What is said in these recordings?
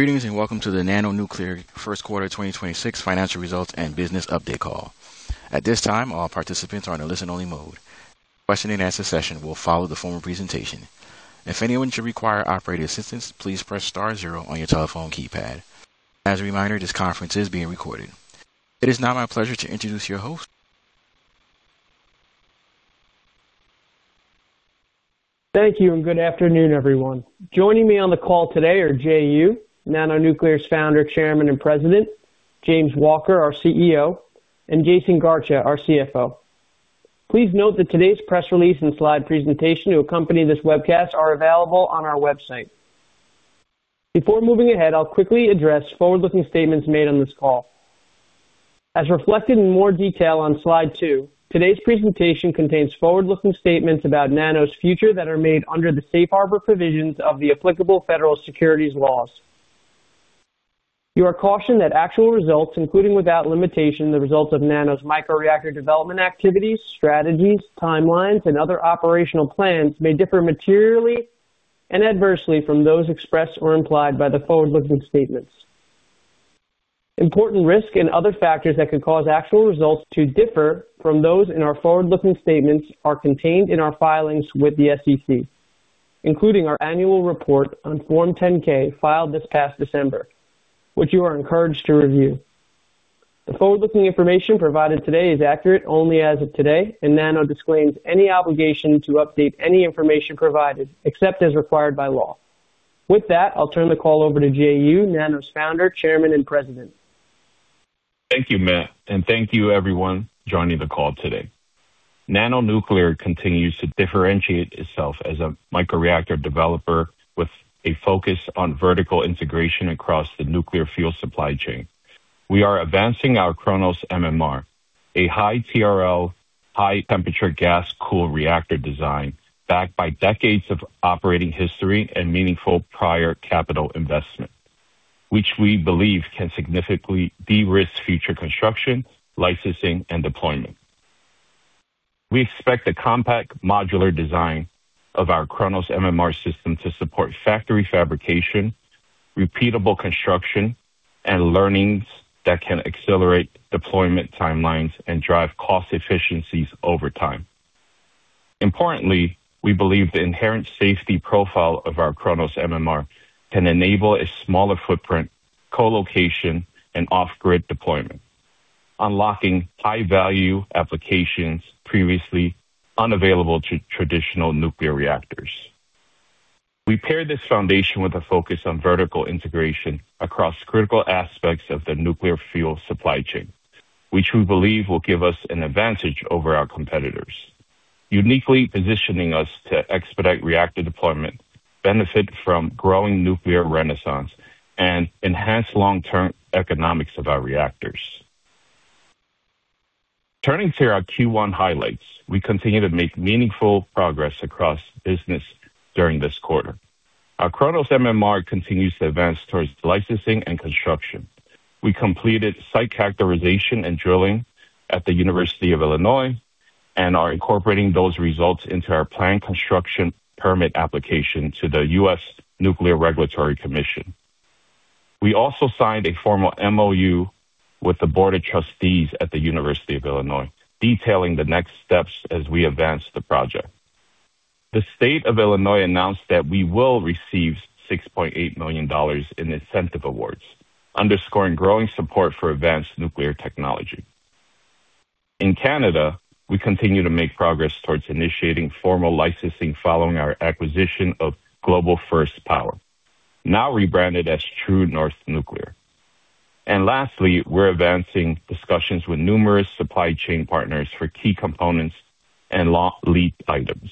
Greetings, and welcome to the Nano Nuclear Q1 2026 Financial Results and Business Update call. At this time, all participants are on a listen-only mode. Question and answer session will follow the formal presentation. If anyone should require operator assistance, please press star zero on your telephone keypad. As a reminder, this conference is being recorded. It is now my pleasure to introduce your host. Thank you, and good afternoon, everyone. Joining me on the call today are Jay Yu, Nano Nuclear's founder, chairman, and president, James Walker, our CEO, and Jaisun Garcha, our CFO. Please note that today's press release and slide presentation to accompany this webcast are available on our website. Before moving ahead, I'll quickly address forward-looking statements made on this call. As reflected in more detail on slide two, today's presentation contains forward-looking statements about Nano's future that are made under the Safe Harbor provisions of the applicable federal securities laws. You are cautioned that actual results, including without limitation, the results of Nano's microreactor development activities, strategies, timelines, and other operational plans, may differ materially and adversely from those expressed or implied by the forward-looking statements. Important risks and other factors that could cause actual results to differ from those in our forward-looking statements are contained in our filings with the SEC, including our annual report on Form 10-K, filed this past December, which you are encouraged to review. The forward-looking information provided today is accurate only as of today, and Nano disclaims any obligation to update any information provided, except as required by law. With that, I'll turn the call over to Jay Yu, Nano's founder, chairman, and president. Thank you, Matt, and thank you everyone joining the call today. Nano Nuclear continues to differentiate itself as a microreactor developer with a focus on vertical integration across the nuclear fuel supply chain. We are advancing our KRONOS MMR, a high TRL, high-temperature gas-cooled reactor design, backed by decades of operating history and meaningful prior capital investment, which we believe can significantly de-risk future construction, licensing, and deployment. We expect the compact modular design of our KRONOS MMR system to support factory fabrication, repeatable construction, and learnings that can accelerate deployment timelines and drive cost efficiencies over time. Importantly, we believe the inherent safety profile of our KRONOS MMR can enable a smaller footprint, co-location, and off-grid deployment, unlocking high-value applications previously unavailable to traditional nuclear reactors. We pair this foundation with a focus on vertical integration across critical aspects of the nuclear fuel supply chain, which we believe will give us an advantage over our competitors, uniquely positioning us to expedite reactor deployment, benefit from growing nuclear renaissance, and enhance long-term economics of our reactors. Turning to our Q1 highlights, we continue to make meaningful progress across business during this quarter. Our KRONOS MMR continues to advance towards licensing and construction. We completed site characterization and drilling at the University of Illinois and are incorporating those results into our planned construction permit application to the U.S. Nuclear Regulatory Commission. We also signed a formal MOU with the Board of Trustees at the University of Illinois, detailing the next steps as we advance the project. The State of Illinois announced that we will receive $6.8 million in incentive awards, underscoring growing support for advanced nuclear technology. In Canada, we continue to make progress towards initiating formal licensing following our acquisition of Global First Power, now rebranded as True North Nuclear. Lastly, we're advancing discussions with numerous supply chain partners for key components and long lead items,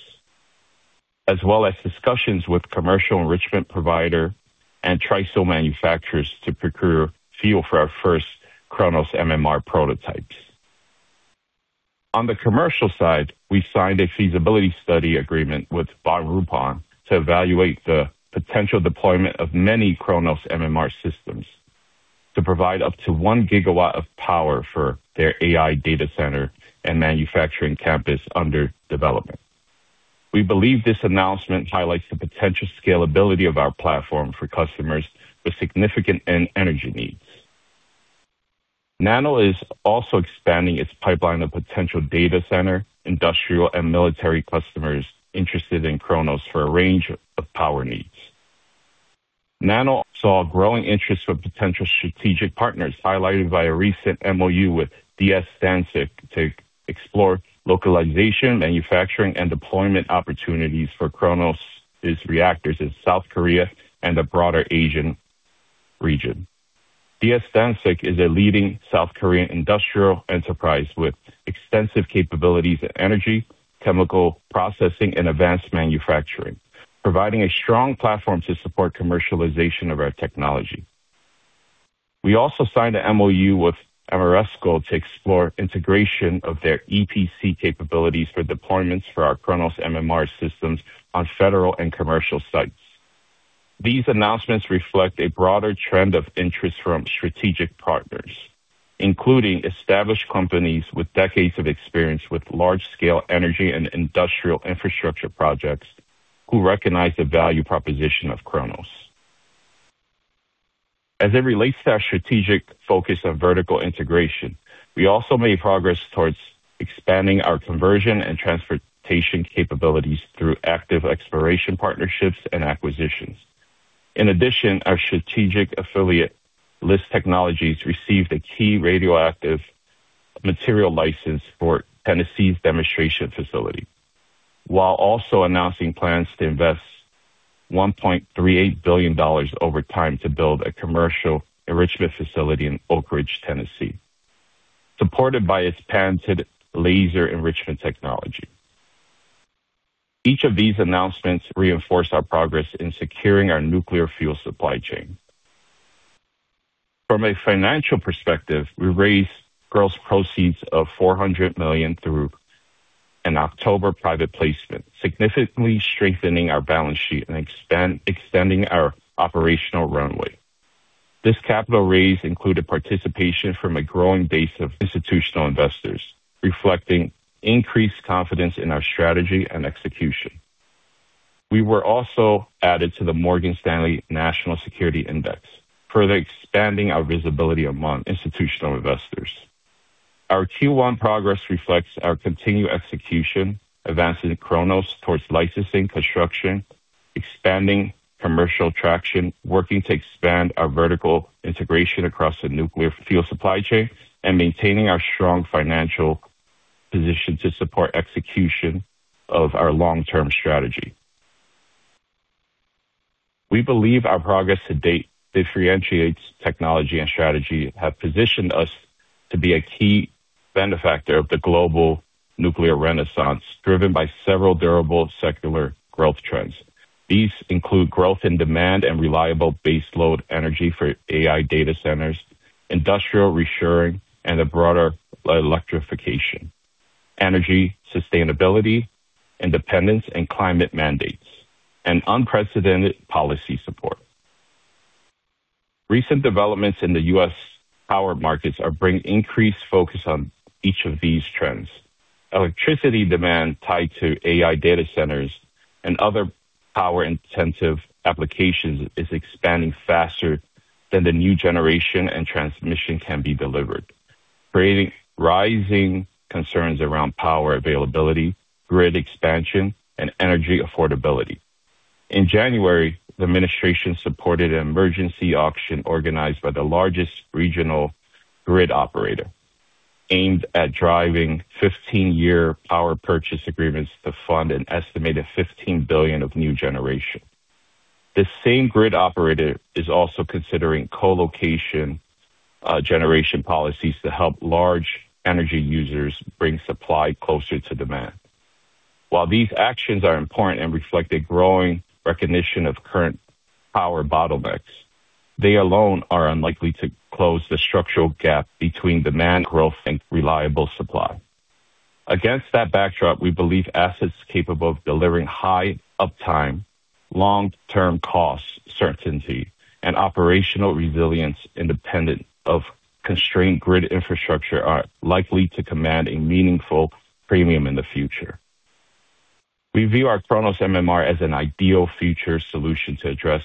as well as discussions with commercial enrichment provider and TRISO manufacturers to procure fuel for our first KRONOS MMR prototypes. On the commercial side, we signed a feasibility study agreement with BaRupOn to evaluate the potential deployment of many KRONOS MMR systems to provide up to 1 GW of power for their AI data center and manufacturing campus under development. We believe this announcement highlights the potential scalability of our platform for customers with significant end energy needs. Nano is also expanding its pipeline of potential data center, industrial, and military customers interested in KRONOS for a range of power needs. Nano saw a growing interest from potential strategic partners, highlighted by a recent MOU with DS Dansuk to explore localization, manufacturing, and deployment opportunities for KRONOS's reactors in South Korea and the broader Asian region. DS Dansuk is a leading South Korean industrial enterprise with extensive capabilities in energy, chemical processing, and advanced manufacturing, providing a strong platform to support commercialization of our technology. We also signed an MOU with Ameresco to explore integration of their EPC capabilities for deployments for our KRONOS MMR systems on federal and commercial sites. These announcements reflect a broader trend of interest from strategic partners... including established companies with decades of experience with large-scale energy and industrial infrastructure projects, who recognize the value proposition of KRONOS. As it relates to our strategic focus on vertical integration, we also made progress towards expanding our conversion and transportation capabilities through active exploration, partnerships, and acquisitions. In addition, our strategic affiliate, LIS Technologies, received a key radioactive material license for Tennessee's demonstration facility, while also announcing plans to invest $1.38 billion over time to build a commercial enrichment facility in Oak Ridge, Tennessee, supported by its patented laser enrichment technology. Each of these announcements reinforce our progress in securing our nuclear fuel supply chain. From a financial perspective, we raised gross proceeds of $400 million through an October private placement, significantly strengthening our balance sheet and extending our operational runway. This capital raise included participation from a growing base of institutional investors, reflecting increased confidence in our strategy and execution. We were also added to the Morgan Stanley National Security Index, further expanding our visibility among institutional investors. Our Q1 progress reflects our continued execution, advancing KRONOS towards licensing, construction, expanding commercial traction, working to expand our vertical integration across the nuclear fuel supply chain, and maintaining our strong financial position to support execution of our long-term strategy. We believe our progress to date differentiates technology and strategy, have positioned us to be a key benefactor of the global nuclear renaissance, driven by several durable secular growth trends. These include growth in demand and reliable baseload energy for AI data centers, industrial reshoring and a broader electrification, energy sustainability, independence and climate mandates, and unprecedented policy support. Recent developments in the U.S. power markets are bringing increased focus on each of these trends. Electricity demand tied to AI data centers and other power-intensive applications is expanding faster than the new generation and transmission can be delivered, creating rising concerns around power availability, grid expansion, and energy affordability. In January, the administration supported an emergency auction organized by the largest regional grid operator, aimed at driving 15-year power purchase agreements to fund an estimated $15 billion of new generation. The same grid operator is also considering co-location, generation policies to help large energy users bring supply closer to demand. While these actions are important and reflect a growing recognition of current power bottlenecks, they alone are unlikely to close the structural gap between demand growth and reliable supply. Against that backdrop, we believe assets capable of delivering high uptime, long-term cost, certainty, and operational resilience, independent of constrained grid infrastructure, are likely to command a meaningful premium in the future. We view our KRONOS MMR as an ideal future solution to address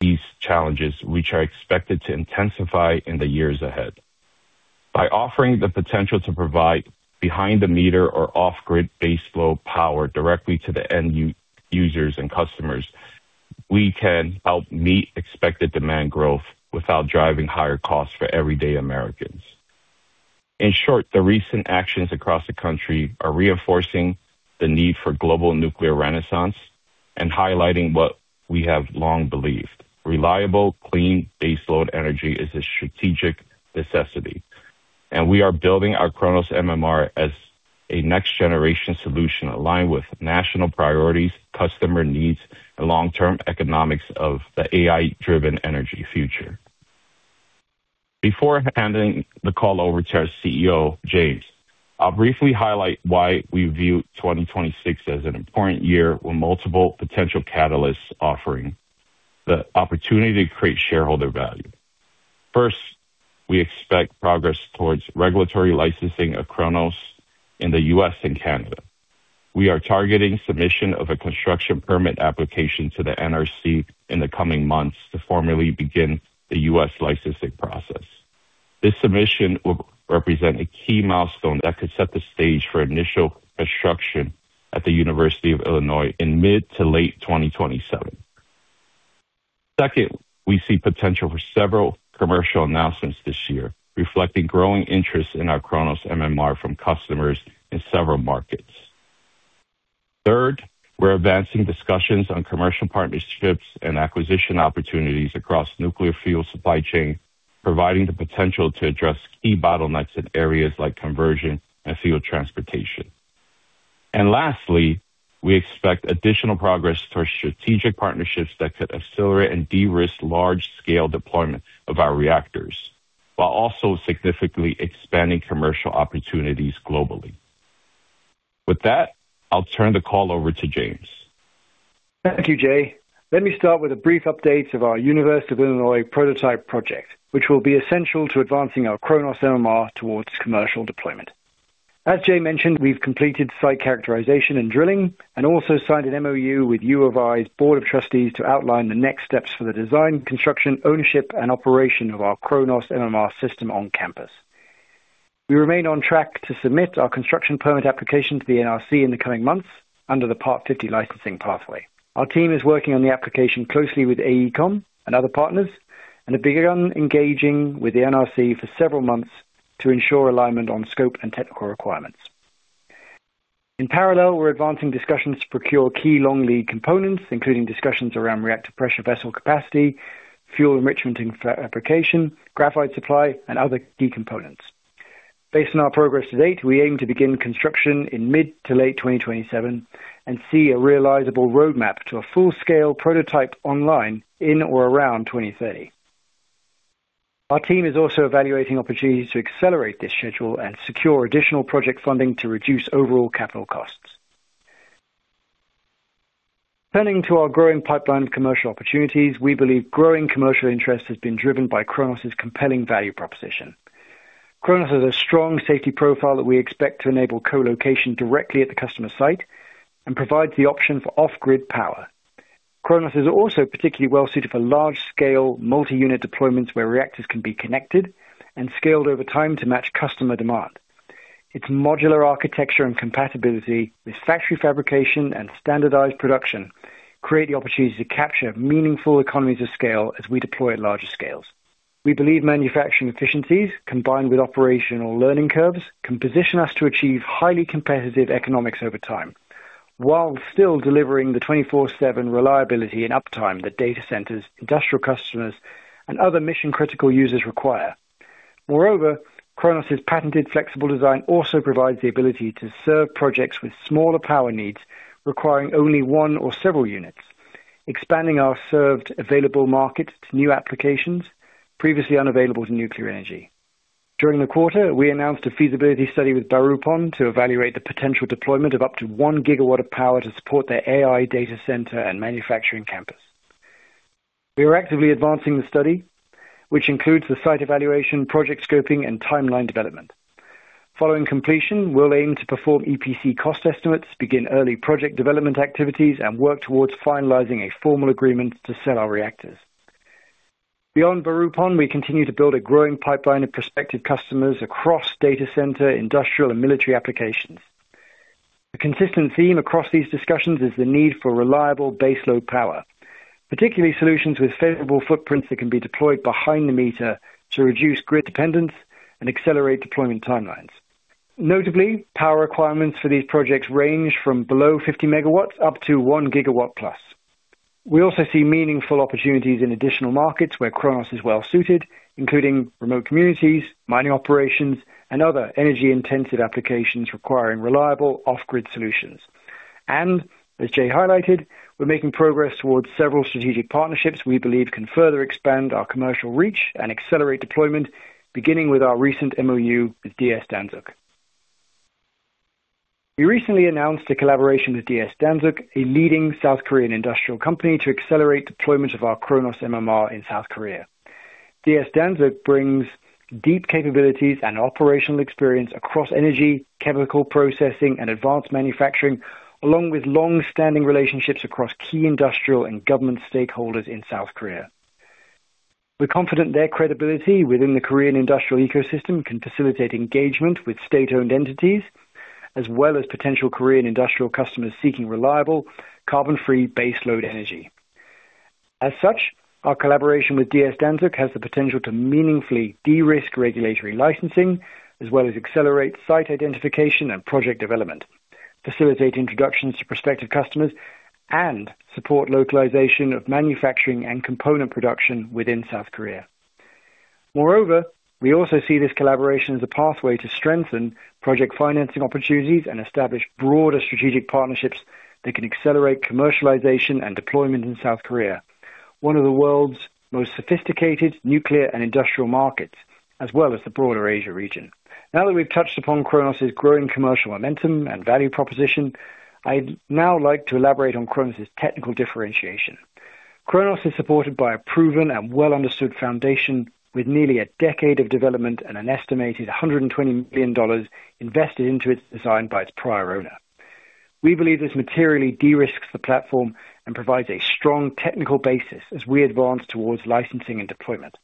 these challenges, which are expected to intensify in the years ahead. By offering the potential to provide behind the meter or off-grid baseload power directly to the end users and customers, we can help meet expected demand growth without driving higher costs for everyday Americans. In short, the recent actions across the country are reinforcing the need for global nuclear renaissance and highlighting what we have long believed. Reliable, clean baseload energy is a strategic necessity, and we are building our KRONOS MMR as a next-generation solution aligned with national priorities, customer needs, and long-term economics of the AI-driven energy future. Before handing the call over to our CEO, James, I'll briefly highlight why we view 2026 as an important year, with multiple potential catalysts offering the opportunity to create shareholder value. First, we expect progress towards regulatory licensing of KRONOS in the U.S. and Canada. We are targeting submission of a construction permit application to the NRC in the coming months to formally begin the U.S. licensing process. This submission will represent a key milestone that could set the stage for initial construction at the University of Illinois in mid- to late 2027. Second, we see potential for several commercial announcements this year, reflecting growing interest in our KRONOS MMR from customers in several markets. Third, we're advancing discussions on commercial partnerships and acquisition opportunities across nuclear fuel supply chain, providing the potential to address key bottlenecks in areas like conversion and fuel transportation. And lastly, we expect additional progress towards strategic partnerships that could accelerate and de-risk large-scale deployment of our reactors, while also significantly expanding commercial opportunities globally. With that, I'll turn the call over to James. Thank you, Jay. Let me start with a brief update of our University of Illinois prototype project, which will be essential to advancing our KRONOS MMR towards commercial deployment. As Jay mentioned, we've completed site characterization and drilling, and also signed an MOU with U of I's Board of Trustees to outline the next steps for the design, construction, ownership, and operation of our KRONOS MMR system on campus. We remain on track to submit our construction permit application to the NRC in the coming months, under the Part 50 licensing pathway. Our team is working on the application closely with AECOM and other partners, and have begun engaging with the NRC for several months to ensure alignment on scope and technical requirements. In parallel, we're advancing discussions to procure key long lead components, including discussions around reactor pressure vessel capacity, fuel enrichment and fabrication, graphite supply, and other key components. Based on our progress to date, we aim to begin construction in mid- to late 2027, and see a realizable roadmap to a full-scale prototype online in or around 2030. Our team is also evaluating opportunities to accelerate this schedule and secure additional project funding to reduce overall capital costs. Turning to our growing pipeline of commercial opportunities, we believe growing commercial interest has been driven by KRONOS's compelling value proposition. KRONOS has a strong safety profile that we expect to enable co-location directly at the customer site and provides the option for off-grid power. KRONOS is also particularly well suited for large-scale, multi-unit deployments, where reactors can be connected and scaled over time to match customer demand. Its modular architecture and compatibility with factory fabrication and standardized production create the opportunity to capture meaningful economies of scale as we deploy at larger scales. We believe manufacturing efficiencies, combined with operational learning curves, can position us to achieve highly competitive economics over time, while still delivering the 24/7 reliability and uptime that data centers, industrial customers, and other mission-critical users require. Moreover, KRONOS's patented flexible design also provides the ability to serve projects with smaller power needs, requiring only 1 or several units, expanding our served available markets to new applications previously unavailable to nuclear energy. During the quarter, we announced a feasibility study with BaRupOn to evaluate the potential deployment of up to 1 GW of power to support their AI data center and manufacturing campus. We are actively advancing the study, which includes the site evaluation, project scoping, and timeline development. Following completion, we'll aim to perform EPC cost estimates, begin early project development activities, and work towards finalizing a formal agreement to sell our reactors. Beyond BaRupOn, we continue to build a growing pipeline of prospective customers across data center, industrial, and military applications. The consistent theme across these discussions is the need for reliable baseload power, particularly solutions with favorable footprints that can be deployed behind the meter to reduce grid dependence and accelerate deployment timelines. Notably, power requirements for these projects range from below 50 megawatts up to 1 gigawatt plus. We also see meaningful opportunities in additional markets where KRONOS is well suited, including remote communities, mining operations, and other energy-intensive applications requiring reliable off-grid solutions. As Jay highlighted, we're making progress towards several strategic partnerships we believe can further expand our commercial reach and accelerate deployment, beginning with our recent MOU with DS Dansuk. We recently announced a collaboration with DS Dansuk, a leading South Korean industrial company, to accelerate deployment of our KRONOS MMR in South Korea. DS Dansuk brings deep capabilities and operational experience across energy, chemical processing, and advanced manufacturing, along with long-standing relationships across key industrial and government stakeholders in South Korea. We're confident their credibility within the Korean industrial ecosystem can facilitate engagement with state-owned entities, as well as potential Korean industrial customers seeking reliable, carbon-free baseload energy. As such, our collaboration with DS Dansuk has the potential to meaningfully de-risk regulatory licensing, as well as accelerate site identification and project development, facilitate introductions to prospective customers, and support localization of manufacturing and component production within South Korea. Moreover, we also see this collaboration as a pathway to strengthen project financing opportunities and establish broader strategic partnerships that can accelerate commercialization and deployment in South Korea, one of the world's most sophisticated nuclear and industrial markets, as well as the broader Asia region. Now that we've touched upon KRONOS's growing commercial momentum and value proposition, I'd now like to elaborate on KRONOS's technical differentiation. KRONOS is supported by a proven and well-understood foundation with nearly a decade of development and an estimated $120 billion invested into its design by its prior owner. We believe this materially de-risks the platform and provides a strong technical basis as we advance towards licensing and deployment.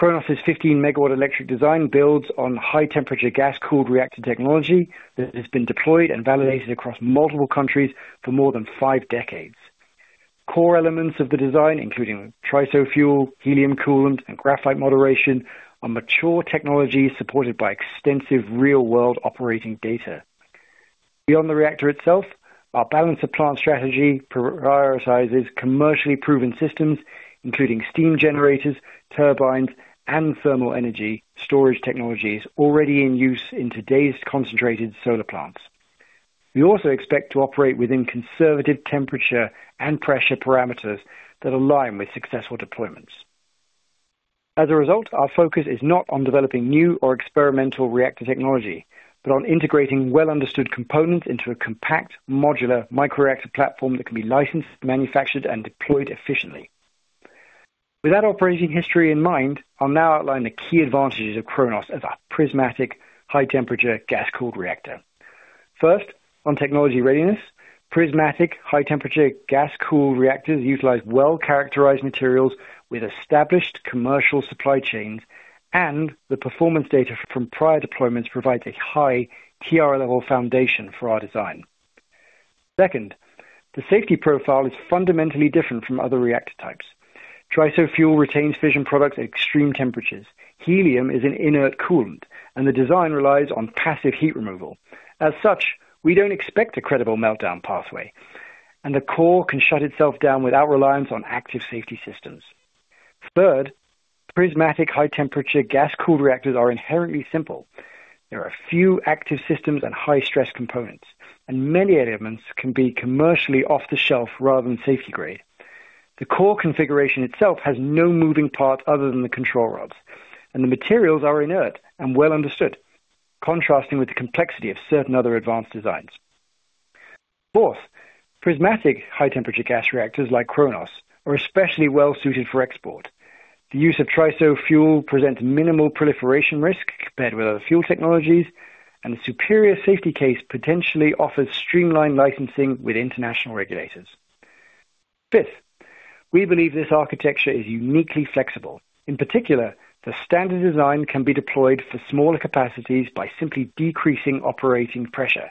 KRONOS's 15-megawatt electric design builds on high-temperature, gas-cooled reactor technology that has been deployed and validated across multiple countries for more than five decades. Core elements of the design, including TRISO fuel, helium coolant, and graphite moderation, are mature technologies supported by extensive real-world operating data. Beyond the reactor itself, our balance of plant strategy prioritizes commercially proven systems, including steam generators, turbines, and thermal energy storage technologies already in use in today's concentrated solar plants. We also expect to operate within conservative temperature and pressure parameters that align with successful deployments. As a result, our focus is not on developing new or experimental reactor technology, but on integrating well-understood components into a compact, modular microreactor platform that can be licensed, manufactured, and deployed efficiently. With that operating history in mind, I'll now outline the key advantages of KRONOS as a prismatic high-temperature gas-cooled reactor. First, on technology readiness, prismatic high-temperature gas-cooled reactors utilize well-characterized materials with established commercial supply chains, and the performance data from prior deployments provides a high TRL foundation for our design. Second, the safety profile is fundamentally different from other reactor types. TRISO fuel retains fission products at extreme temperatures. Helium is an inert coolant, and the design relies on passive heat removal. As such, we don't expect a credible meltdown pathway, and the core can shut itself down without reliance on active safety systems. Third, prismatic high-temperature gas-cooled reactors are inherently simple. There are a few active systems and high-stress components, and many elements can be commercially off-the-shelf rather than safety grade. The core configuration itself has no moving parts other than the control rods, and the materials are inert and well understood, contrasting with the complexity of certain other advanced designs. Fourth, prismatic high-temperature gas reactors like KRONOS are especially well-suited for export. The use of TRISO fuel presents minimal proliferation risk compared with other fuel technologies, and the superior safety case potentially offers streamlined licensing with international regulators. Fifth, we believe this architecture is uniquely flexible. In particular, the standard design can be deployed for smaller capacities by simply decreasing operating pressure.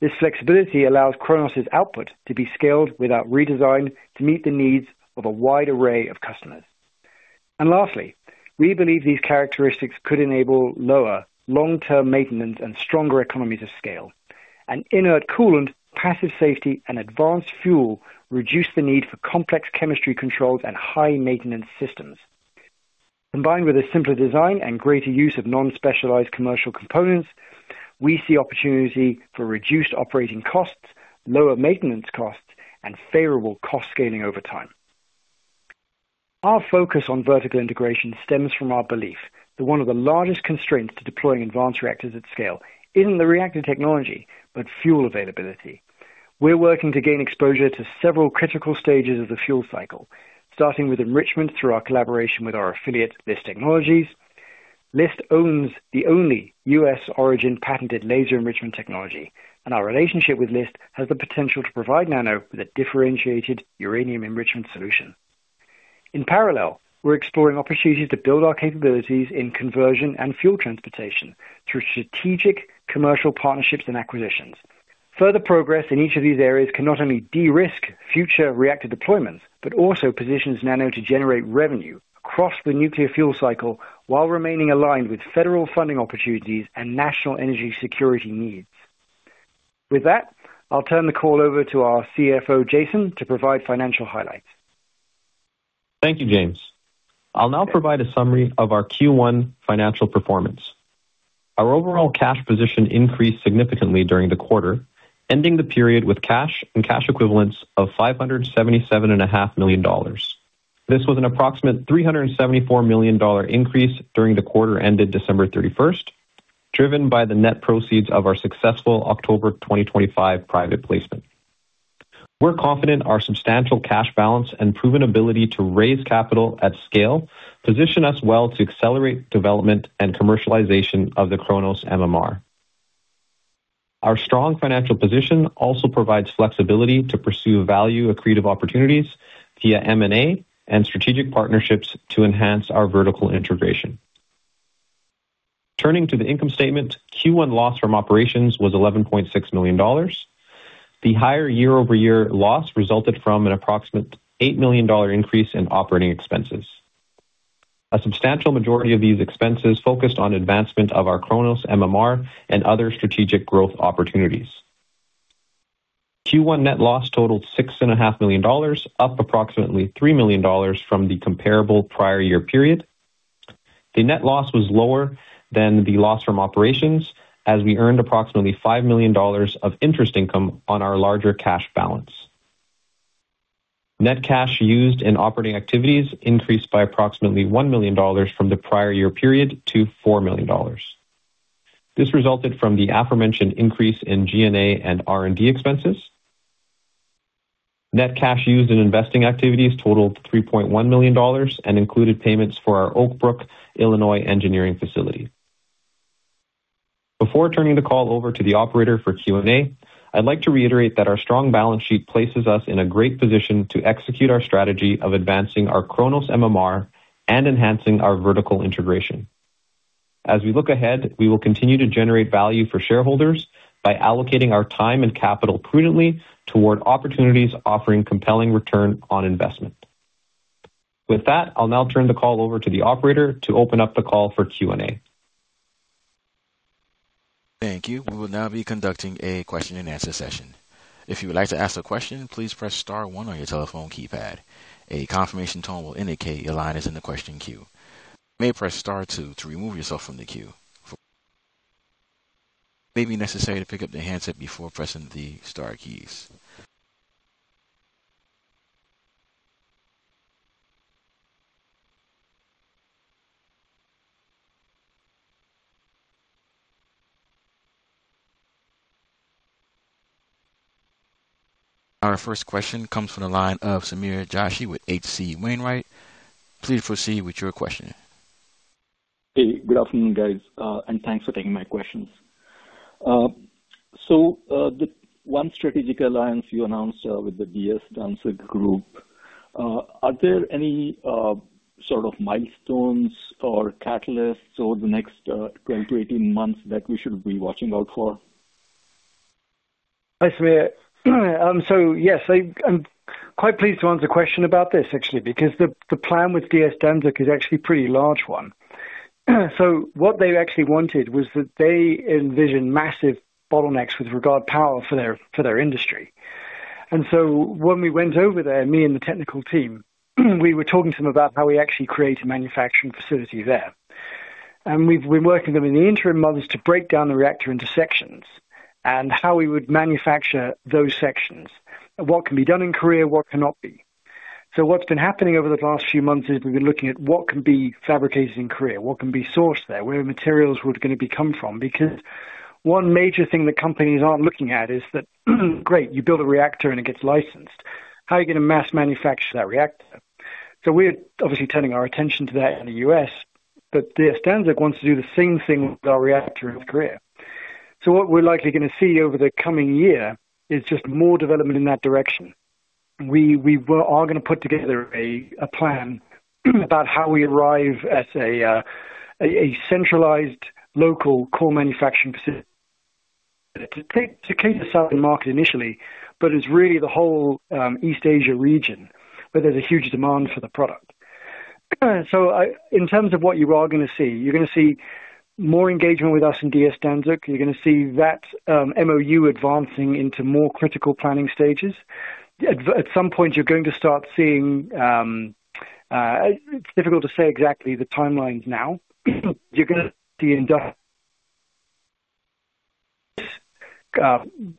This flexibility allows KRONOS's output to be scaled without redesign to meet the needs of a wide array of customers. And lastly, we believe these characteristics could enable lower long-term maintenance and stronger economies of scale. An inert coolant, passive safety, and advanced fuel reduce the need for complex chemistry controls and high-maintenance systems. Combined with a simpler design and greater use of non-specialized commercial components, we see opportunity for reduced operating costs, lower maintenance costs, and favorable cost scaling over time. Our focus on vertical integration stems from our belief that one of the largest constraints to deploying advanced reactors at scale isn't the reactor technology, but fuel availability. We're working to gain exposure to several critical stages of the fuel cycle, starting with enrichment through our collaboration with our affiliate, LIS Technologies. LIS owns the only U.S. origin patented laser enrichment technology, and our relationship with LIS has the potential to provide Nano with a differentiated uranium enrichment solution. In parallel, we're exploring opportunities to build our capabilities in conversion and fuel transportation through strategic commercial partnerships and acquisitions. Further progress in each of these areas can not only de-risk future reactor deployments, but also positions Nano to generate revenue across the nuclear fuel cycle while remaining aligned with federal funding opportunities and national energy security needs. With that, I'll turn the call over to our CFO, Jaisun, to provide financial highlights. Thank you, James. I'll now provide a summary of our Q1 financial performance. Our overall cash position increased significantly during the quarter, ending the period with cash and cash equivalents of $577.5 million. This was an approximate $374 million increase during the quarter ended December 31, driven by the net proceeds of our successful October 2025 private placement. We're confident our substantial cash balance and proven ability to raise capital at scale position us well to accelerate development and commercialization of the KRONOS MMR. Our strong financial position also provides flexibility to pursue value accretive opportunities via M&A and strategic partnerships to enhance our vertical integration. Turning to the income statement, Q1 loss from operations was $11.6 million. The higher year-over-year loss resulted from an approximate $8 million increase in operating expenses. A substantial majority of these expenses focused on advancement of our KRONOS MMR and other strategic growth opportunities. Q1 net loss totaled $6.5 million, up approximately $3 million from the comparable prior year period. The net loss was lower than the loss from operations, as we earned approximately $5 million of interest income on our larger cash balance. Net cash used in operating activities increased by approximately $1 million from the prior year period to $4 million. This resulted from the aforementioned increase in G&A and R&D expenses. Net cash used in investing activities totaled $3.1 million and included payments for our Oak Brook, Illinois, engineering facility. Before turning the call over to the operator for Q&A, I'd like to reiterate that our strong balance sheet places us in a great position to execute our strategy of advancing our KRONOS MMR and enhancing our vertical integration. As we look ahead, we will continue to generate value for shareholders by allocating our time and capital prudently toward opportunities offering compelling return on investment. With that, I'll now turn the call over to the operator to open up the call for Q&A. Thank you. We will now be conducting a question-and-answer session. If you would like to ask a question, please press star one on your telephone keypad. A confirmation tone will indicate your line is in the question queue. You may press star two to remove yourself from the queue. It may be necessary to pick up the handset before pressing the star keys. Our first question comes from the line of Sameer Joshi with HC Wainwright. Please proceed with your question. Hey, good afternoon, guys, and thanks for taking my questions. So, the one strategic alliance you announced, with the DS Dansuk Group, are there any, sort of milestones or catalysts over the next, 12-18 months that we should be watching out for? Hi, Sameer. So yes, I'm quite pleased to answer a question about this, actually, because the plan with DS Dansuk is actually a pretty large one. So what they actually wanted was that they envisioned massive bottlenecks with regard to power for their industry. And so when we went over there, me and the technical team, we were talking to them about how we actually create a manufacturing facility there. And we've been working with them in the interim months to break down the reactor into sections and how we would manufacture those sections. What can be done in Korea, what cannot be. So what's been happening over the last few months is we've been looking at what can be fabricated in Korea, what can be sourced there, where materials were gonna come from, because one major thing that companies aren't looking at is that, great, you build a reactor and it gets licensed. How are you gonna mass manufacture that reactor? We're obviously turning our attention to that in the U.S., but DS Dansuk wants to do the same thing with our reactor in Korea. What we're likely gonna see over the coming year is just more development in that direction. We are gonna put together a plan about how we arrive at a centralized, local, core manufacturing facility to cater southern market initially, but it's really the whole East Asia region, where there's a huge demand for the product. In terms of what you are gonna see, you're gonna see more engagement with us and DS Dansuk. You're gonna see that MOU advancing into more critical planning stages. At some point, you're going to start seeing, it's difficult to say exactly the timelines now. You're gonna see industrial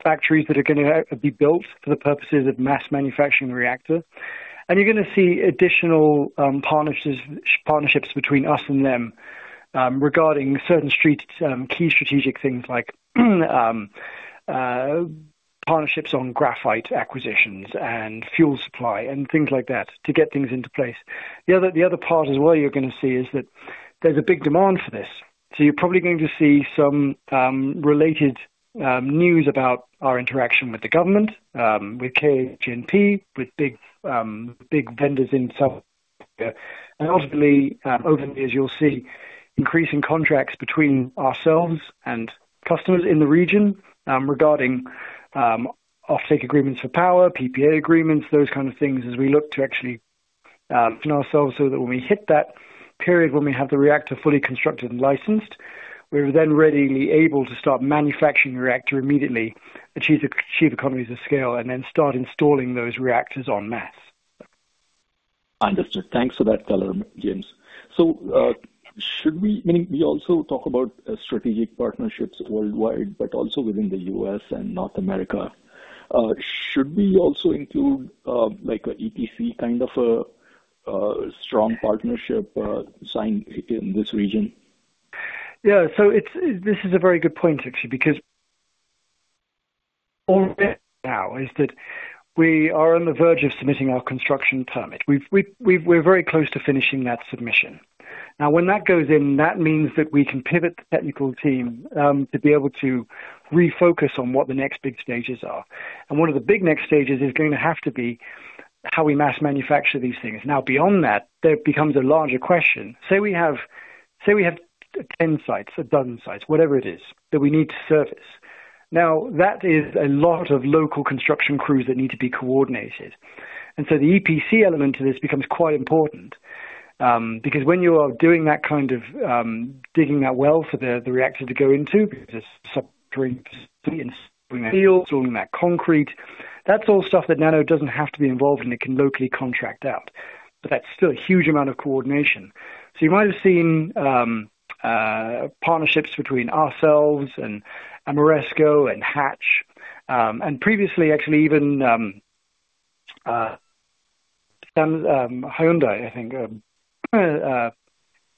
factories that are gonna be built for the purposes of mass manufacturing reactor. And you're gonna see additional partnerships between us and them, regarding certain key strategic things like partnerships on graphite acquisitions and fuel supply and things like that to get things into place. The other part as well you're gonna see is that there's a big demand for this. So you're probably going to see some related news about our interaction with the government with KHNP, with big big vendors in South Korea. And ultimately over the years, you'll see increasing contracts between ourselves and customers in the region regarding offtake agreements for power, PPA agreements, those kind of things, as we look to actually position ourselves so that when we hit that period, when we have the reactor fully constructed and licensed, we're then readily able to start manufacturing the reactor immediately, achieve economies of scale, and then start installing those reactors en masse. Understood. Thanks for that clarity, James. So, should we, I mean, we also talk about strategic partnerships worldwide, but also within the U.S. and North America. Should we also include, like an EPCM, kind of a, a strong partnership, sign in this region? Yeah. So it's, this is a very good point actually, because all now is that we are on the verge of submitting our construction permit. We're very close to finishing that submission. Now, when that goes in, that means that we can pivot the technical team to be able to refocus on what the next big stages are. And one of the big next stages is going to have to be how we mass manufacture these things. Now, beyond that, there becomes a larger question. Say we have 10 sites, 12 sites, whatever it is, that we need to service. Now, that is a lot of local construction crews that need to be coordinated. And so the EPCM element to this becomes quite important, because when you are doing that kind of digging that well for the reactor to go into, because it's submarine, and installing that concrete, that's all stuff that Nano doesn't have to be involved in. It can locally contract out, but that's still a huge amount of coordination. So you might have seen partnerships between ourselves and Ameresco and Hatch, and previously actually even Hyundai, I think,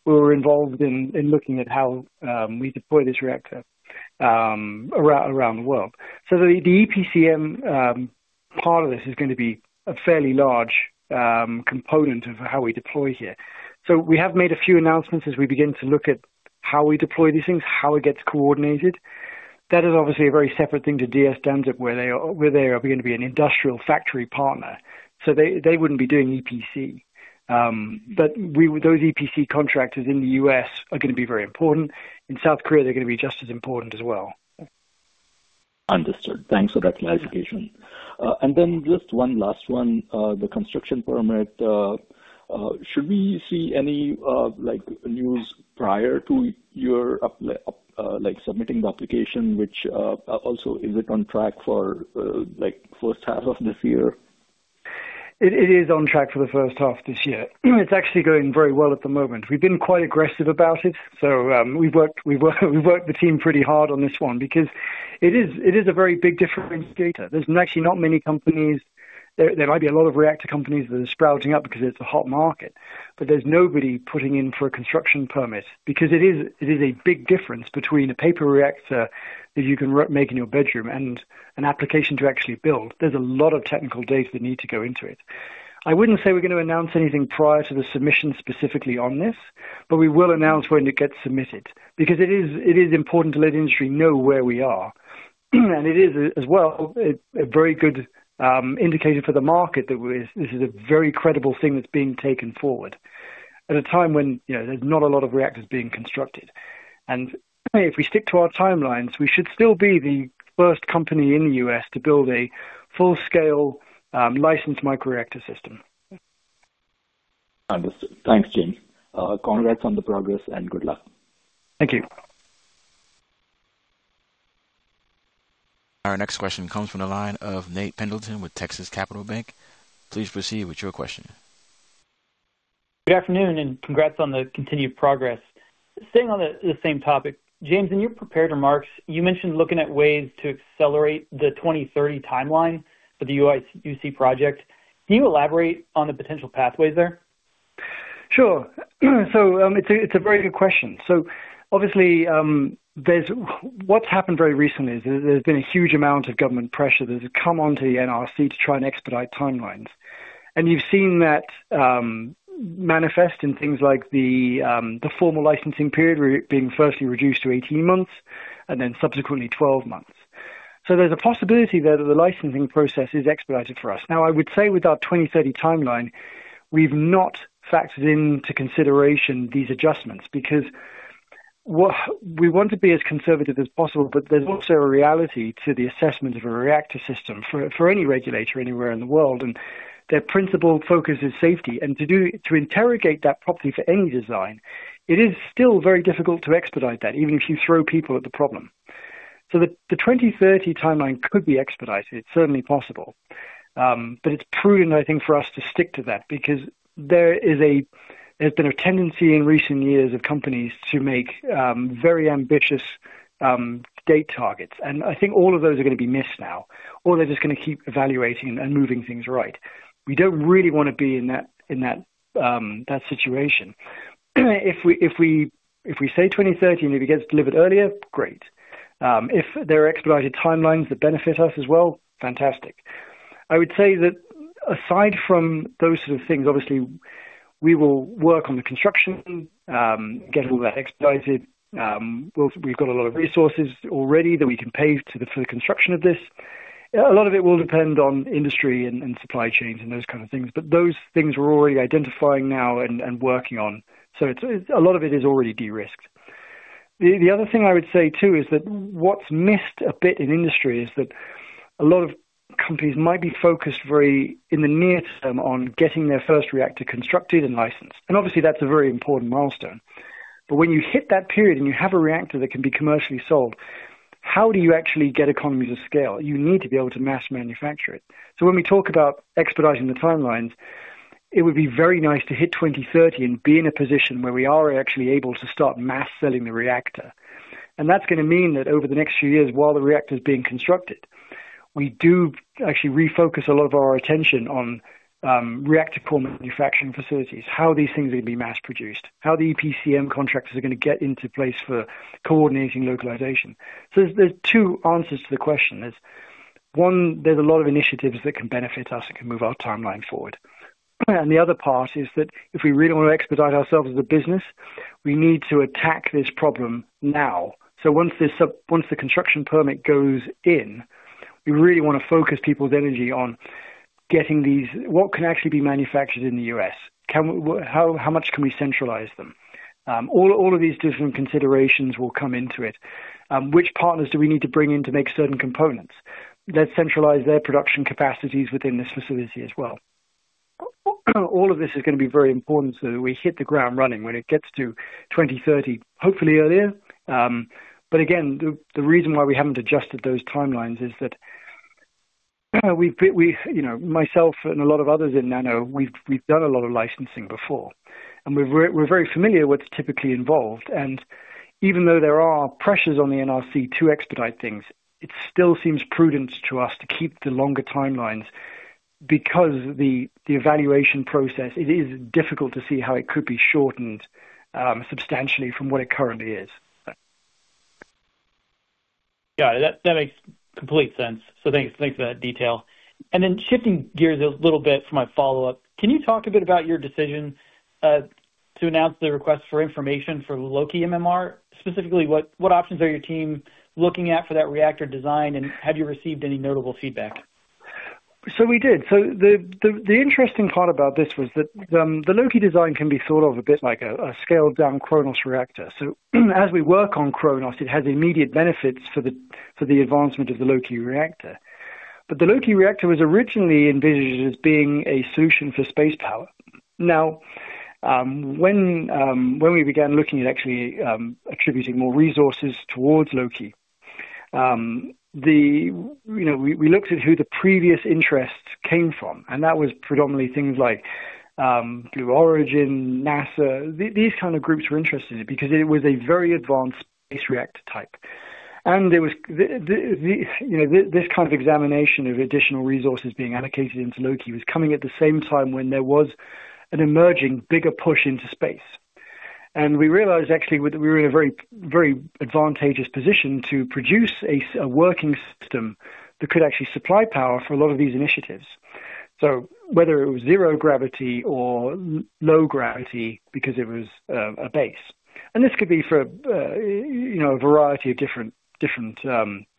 were involved in looking at how we deploy this reactor around the world. So the EPCM part of this is going to be a fairly large component of how we deploy here. So we have made a few announcements as we begin to look at how we deploy these things, how it gets coordinated. That is obviously a very separate thing to DS Dansuk, where they are going to be an industrial factory partner, so they wouldn't be doing EPCM. But we, those EPCM contractors in the U.S. are gonna be very important. In South Korea, they're gonna be just as important as well. Understood. Thanks for that clarification. And then just one last one. The construction permit, should we see any, like, news prior to your like submitting the application, which, also is it on track for, like first half of this year? It is on track for the first half this year. It's actually going very well at the moment. We've been quite aggressive about it, so we've worked the team pretty hard on this one because it is a very big differentiator. There's actually not many companies. There might be a lot of reactor companies that are sprouting up because it's a hot market, but there's nobody putting in for a construction permit. Because it is a big difference between a paper reactor that you can make in your bedroom and an application to actually build. There's a lot of technical data that need to go into it. I wouldn't say we're gonna announce anything prior to the submission specifically on this, but we will announce when it gets submitted, because it is important to let industry know where we are. And it is as well a very good indicator for the market that we're, this is a very credible thing that's being taken forward at a time when, you know, there's not a lot of reactors being constructed. And, if we stick to our timelines, we should still be the first company in the U.S. to build a full-scale licensed microreactor system. Understood. Thanks, James. Congrats on the progress and good luck. Thank you. Our next question comes from the line of Nate Pendleton with Texas Capital Bank. Please proceed with your question. Good afternoon, and congrats on the continued progress. Staying on the same topic, James, in your prepared remarks, you mentioned looking at ways to accelerate the 2030 timeline for the UIC project. Can you elaborate on the potential pathways there? Sure. So, it's a very good question. So obviously, there's... What's happened very recently is, there's been a huge amount of government pressure that has come onto the NRC to try and expedite timelines. And you've seen that, manifest in things like the formal licensing period where being firstly reduced to 18 months, and then subsequently, 12 months. So there's a possibility there that the licensing process is expedited for us. Now, I would say with our 2030 timeline, we've not factored into consideration these adjustments, because what we want to be as conservative as possible, but there's also a reality to the assessment of a reactor system for any regulator anywhere in the world, and their principal focus is safety. And to interrogate that properly for any design, it is still very difficult to expedite that, even if you throw people at the problem. So the 2030 timeline could be expedited. It's certainly possible. But it's prudent, I think, for us to stick to that because there's been a tendency in recent years of companies to make very ambitious date targets, and I think all of those are gonna be missed now, or they're just gonna keep evaluating and moving things right. We don't really want to be in that situation. If we say 2030 and if it gets delivered earlier, great. If there are expedited timelines that benefit us as well, fantastic. I would say that aside from those sort of things, obviously we will work on the construction, get all that expedited. We've got a lot of resources already that we can pay to the, for the construction of this. A lot of it will depend on industry and supply chains and those kind of things, but those things we're already identifying now and working on. So it's a lot of it is already de-risked. The other thing I would say, too, is that what's missed a bit in industry is that a lot of companies might be focused very, in the near term, on getting their first reactor constructed and licensed. And obviously, that's a very important milestone. But when you hit that period and you have a reactor that can be commercially sold, how do you actually get economies of scale? You need to be able to mass manufacture it. So when we talk about expediting the timelines, it would be very nice to hit 2030 and be in a position where we are actually able to start mass selling the reactor. And that's gonna mean that over the next few years, while the reactor is being constructed, we do actually refocus a lot of our attention on reactor core manufacturing facilities. How are these things gonna be mass produced? How the EPCM contractors are gonna get into place for coordinating localization? So there's two answers to the question. There's one, there's a lot of initiatives that can benefit us and can move our timeline forward. And the other part is that if we really want to expedite ourselves as a business, we need to attack this problem now. So once the construction permit goes in, we really wanna focus people's energy on getting these what can actually be manufactured in the U.S.? How much can we centralize them? All of these different considerations will come into it. Which partners do we need to bring in to make certain components? Let's centralize their production capacities within this facility as well. All of this is gonna be very important so that we hit the ground running when it gets to 2030, hopefully earlier. But again, the reason why we haven't adjusted those timelines is that, we've, you know, myself and a lot of others in Nano, we've done a lot of licensing before, and we're very familiar with what's typically involved. Even though there are pressures on the NRC to expedite things, it still seems prudent to us to keep the longer timelines because the evaluation process, it is difficult to see how it could be shortened substantially from what it currently is. Yeah, that, that makes complete sense. So thanks, thanks for that detail. And then shifting gears a little bit for my follow-up, can you talk a bit about your decision to announce the request for information for LOKI MMR? Specifically, what options are your team looking at for that reactor design, and have you received any notable feedback? So we did. So the interesting part about this was that, the Loki design can be thought of a bit like a scaled-down Kronos reactor. So, as we work on Kronos, it has immediate benefits for the advancement of the Loki reactor. But the Loki reactor was originally envisioned as being a solution for space power. Now, when we began looking at actually attributing more resources towards Loki. You know, we looked at who the previous interests came from, and that was predominantly things like Blue Origin, NASA. These kind of groups were interested in it because it was a very advanced space reactor type. There was, you know, this kind of examination of additional resources being allocated into Loki coming at the same time when there was an emerging bigger push into space. We realized actually we were in a very, very advantageous position to produce a working system that could actually supply power for a lot of these initiatives. So whether it was zero gravity or low gravity, because it was a base. And this could be for, you know, a variety of different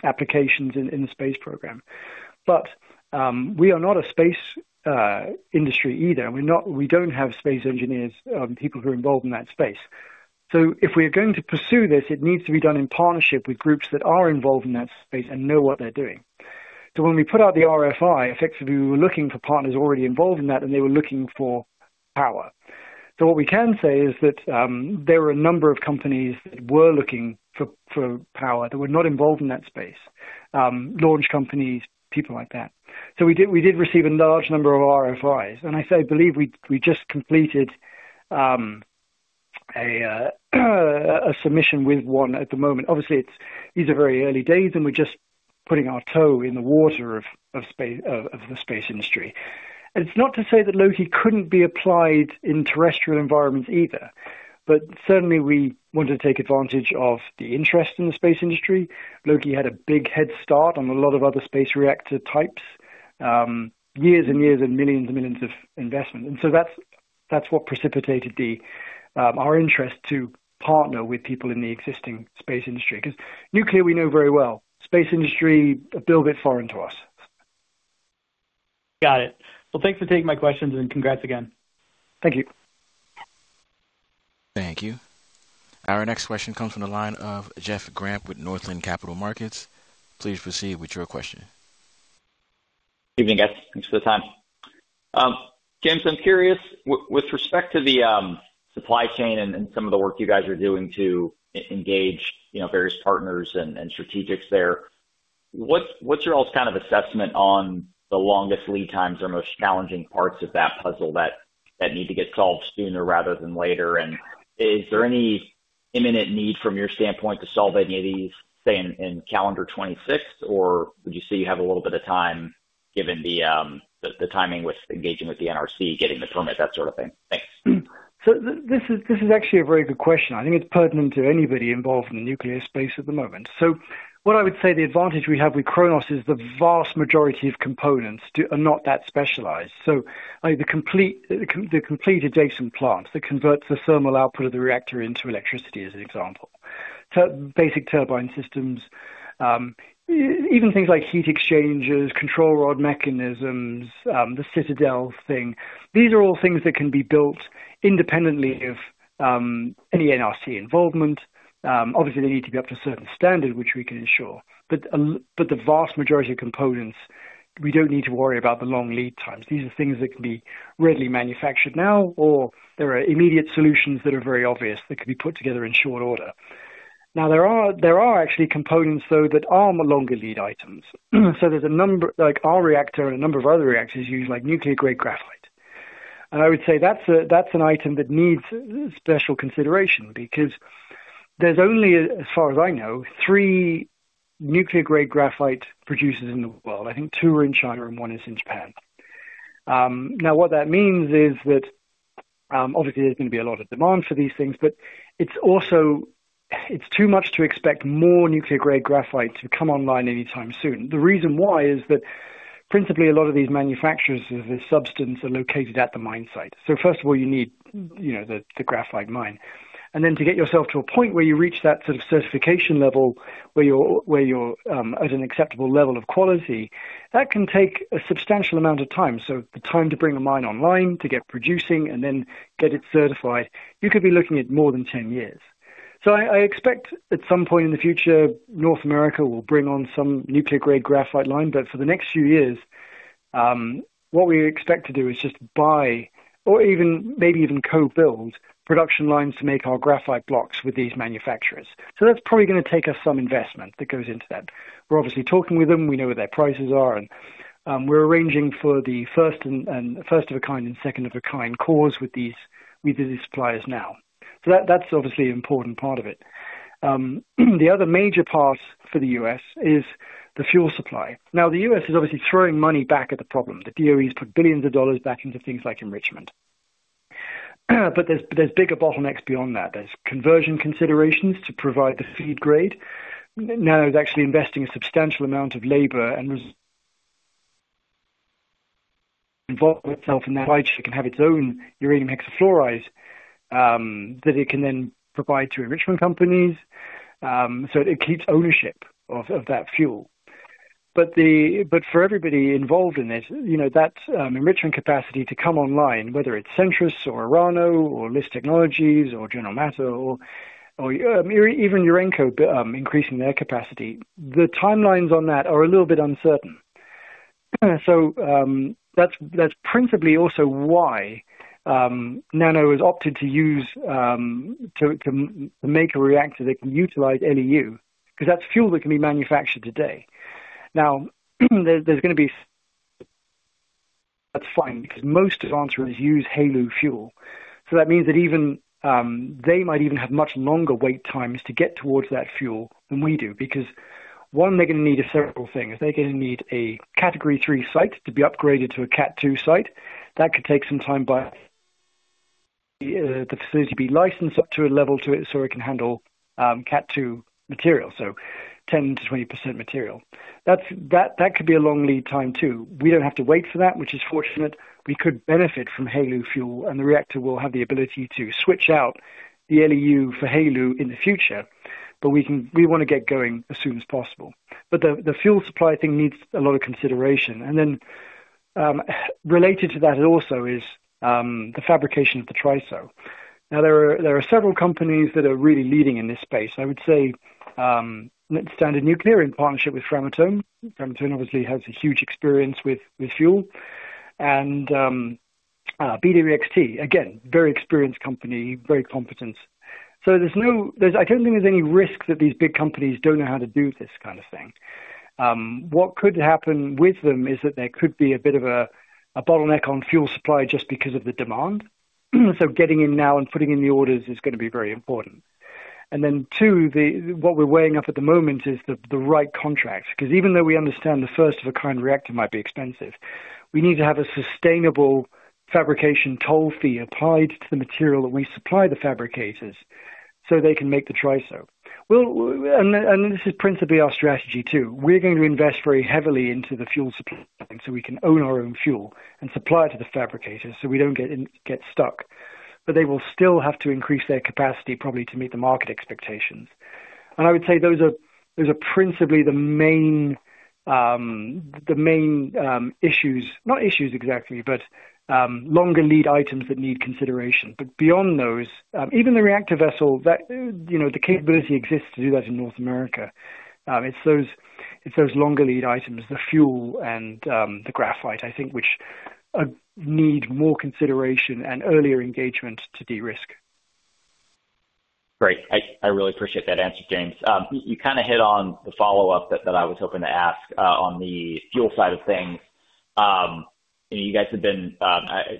applications in the space program. But we are not a space industry either, and we're not, we don't have space engineers, people who are involved in that space. So if we are going to pursue this, it needs to be done in partnership with groups that are involved in that space and know what they're doing. So when we put out the RFI, effectively, we were looking for partners already involved in that, and they were looking for power. So what we can say is that there were a number of companies that were looking for power that were not involved in that space. Launch companies, people like that. So we did receive a large number of RFIs, and I believe we just completed a submission with one at the moment. Obviously, it's these are very early days, and we're just putting our toe in the water of the space industry. And it's not to say that Loki couldn't be applied in terrestrial environments either, but certainly we wanted to take advantage of the interest in the space industry. Loki had a big head start on a lot of other space reactor types, years and years and millions and millions of investment. And so that's, that's what precipitated the, Our interest to partner with people in the existing space industry. Because nuclear, we know very well. Space industry, a little bit foreign to us. Got it. Well, thanks for taking my questions, and congrats again. Thank you. Thank you. Our next question comes from the line of Jeff Grant with Northland Capital Markets. Please proceed with your question. Evening, guys. Thanks for the time. James, I'm curious, with respect to the supply chain and some of the work you guys are doing to engage, you know, various partners and strategics there, what's your all's kind of assessment on the longest lead times or most challenging parts of that puzzle that need to get solved sooner rather than later? And is there any imminent need from your standpoint to solve any of these, say, in calendar 2026, or would you say you have a little bit of time given the timing with engaging with the NRC, getting the permit, that sort of thing? Thanks. This is actually a very good question. I think it's pertinent to anybody involved in the nuclear space at the moment. So what I would say, the advantage we have with KRONOS is the vast majority of components are not that specialized. So, like, the completed balance of plant, that converts the thermal output of the reactor into electricity, as an example. So basic turbine systems, even things like heat exchangers, control rod mechanisms, the citadel thing. These are all things that can be built independently of any NRC involvement. Obviously, they need to be up to a certain standard, which we can ensure. But the vast majority of components, we don't need to worry about the long lead times. These are things that can be readily manufactured now, or there are immediate solutions that are very obvious that can be put together in short order. Now, there are actually components, though, that are longer lead items. So there's a number, like our reactor and a number of other reactors use, like, nuclear-grade graphite. And I would say that's an item that needs special consideration, because there's only, as far as I know, three nuclear-grade graphite producers in the world. I think two are in China and one is in Japan. Now, what that means is that, obviously there's going to be a lot of demand for these things, but it's also It's too much to expect more nuclear-grade graphite to come online anytime soon. The reason why is that principally a lot of these manufacturers of this substance are located at the mine site. So first of all, you need, you know, the graphite mine. And then to get yourself to a point where you reach that sort of certification level, where you're at an acceptable level of quality, that can take a substantial amount of time. So the time to bring a mine online, to get producing and then get it certified, you could be looking at more than 10 years. So I expect at some point in the future, North America will bring on some nuclear-grade graphite line, but for the next few years, what we expect to do is just buy or even, maybe even co-build production lines to make our graphite blocks with these manufacturers. So that's probably gonna take us some investment that goes into that. We're obviously talking with them, we know what their prices are, and we're arranging for the first and first of a kind and second of a kind calls with these suppliers now. So that's obviously an important part of it. The other major part for the U.S. is the fuel supply. Now, the U.S. is obviously throwing money back at the problem. The DOE has put billions of dollars back into things like enrichment. But there's bigger bottlenecks beyond that. There's conversion considerations to provide the feed grade. Now, it's actually investing a substantial amount of labor and involve itself in that, it can have its own uranium hexafluoride that it can then provide to enrichment companies, so it keeps ownership of that fuel. But for everybody involved in this, you know, that enrichment capacity to come online, whether it's Centrus or Orano or LIS Technologies or General Matter or Urenco, increasing their capacity, the timelines on that are a little bit uncertain. So, that's principally also why Nano has opted to use to make a reactor that can utilize LEU, 'cause that's fuel that can be manufactured today. Now, there's gonna be that's fine, because most reactors use HALEU fuel. So that means that even they might even have much longer wait times to get towards that fuel than we do, because, one, they're gonna need several things. They're gonna need a Category Three site to be upgraded to a Cat Two site. That could take some time, but, the facility be licensed up to a level to it, so it can handle, Cat Two material, so 10%-20% material. That's, that, that could be a long lead time, too. We don't have to wait for that, which is fortunate. We could benefit from HALEU fuel, and the reactor will have the ability to switch out the LEU for HALEU in the future, but we wanna get going as soon as possible. But the, the fuel supply thing needs a lot of consideration. And then, related to that also is, the fabrication of the TRISO. Now, there are, there are several companies that are really leading in this space. I would say, Next Standard Nuclear, in partnership with Framatome. Framatome obviously has a huge experience with, with fuel. BWXT, again, very experienced company, very competent. So there's no risk that these big companies don't know how to do this kind of thing. What could happen with them is that there could be a bit of a bottleneck on fuel supply just because of the demand. So getting in now and putting in the orders is gonna be very important. And then, two, what we're weighing up at the moment is the right contract, because even though we understand the first-of-a-kind reactor might be expensive, we need to have a sustainable fabrication toll fee applied to the material that we supply the fabricators, so they can make the TRISO. Well, and this is principally our strategy, too. We're going to invest very heavily into the fuel supply, so we can own our own fuel and supply it to the fabricators, so we don't get in, get stuck. But they will still have to increase their capacity, probably to meet the market expectations. And I would say those are, those are principally the main, the main, issues. Not issues exactly, but, longer lead items that need consideration. But beyond those, even the reactor vessel, that, you know, the capability exists to do that in North America. It's those, it's those longer lead items, the fuel and, the graphite, I think, which, need more consideration and earlier engagement to de-risk. Great. I really appreciate that answer, James. You kind of hit on the follow-up that I was hoping to ask on the fuel side of things. And you guys have been